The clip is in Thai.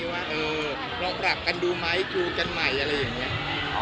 คุยกันตัวหน้าดีไหมรับกันดูไหมคุยกันใหม่อย่างเงี่ย